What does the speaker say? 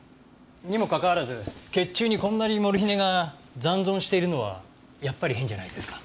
にもかかわらず血中にこんなにモルヒネが残存しているのはやっぱり変じゃないですか？